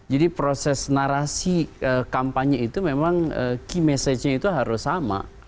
jadi proses narasi kampanye itu memang key message nya itu harus sama